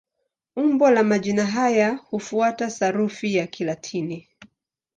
Umbo la majina haya hufuata sarufi ya Kilatini.